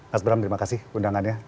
mas bram terima kasih undangannya